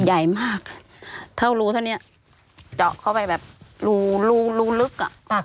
ใหญ่มากเท่ารูเท่านี้เจาะเข้าไปแบบรูลึก